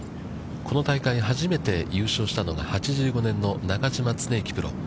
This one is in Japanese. この大会、初めて優勝したのが８５年の中嶋常幸プロ。